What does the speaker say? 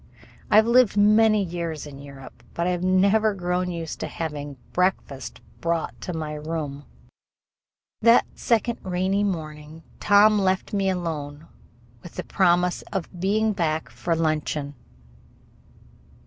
I have lived many years in Europe, but I have never grown used to having breakfast brought to my room. That second rainy morning Tom left me alone with the promise of being back for luncheon.